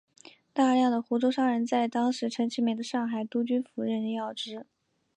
大量的湖州商人在当时陈其美的上海督军府任要职。